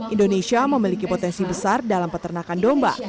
indonesia memiliki potensi besar dalam peternakan domba